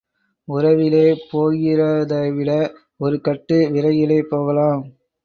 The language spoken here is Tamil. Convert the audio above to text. உறவிலே போகிறதைவிட ஒரு கட்டு விறகிலே போகலாம்.